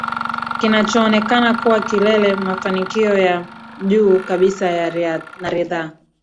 kinachoonekana kuwa kilele mafanikio ya juu kabisa na ridhaa